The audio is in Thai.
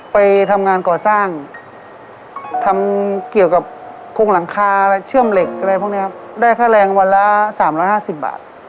ไปทำงานก่อสร้างทำเกี่ยวกับโครงหลังคาเชื่อมเหล็กอะไรพวกนี้ครับได้ค่าแรงวันละ๓๕๐บาท